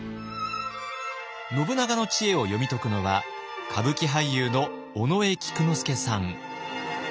信長の知恵を読み解くのは歌舞伎俳優の尾上菊之助さん。